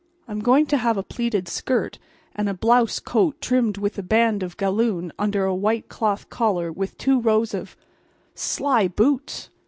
I'm going to have a plaited skirt and a blouse coat trimmed with a band of galloon under a white cloth collar with two rows of—" "Sly boots!"